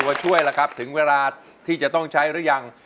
ตัวช่วยล่ะครับถึงเวลาที่จะต้องใช้หรือยัง